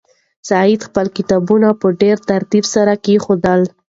سعید خپل کتابونه په ډېر ترتیب سره کېښودل.